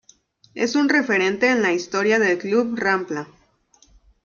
Es un referente en la historia del club Rampla.